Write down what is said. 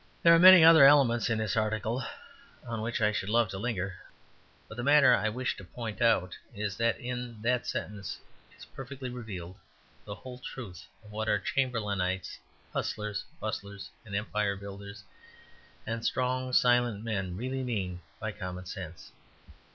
There are many other elements in this article on which I should love to linger. But the matter which I wish to point out is that in that sentence is perfectly revealed the whole truth of what our Chamberlainites, hustlers, bustlers, Empire builders, and strong, silent men, really mean by "commonsense."